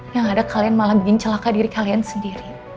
yang ada kalian malah bikin celaka diri kalian sendiri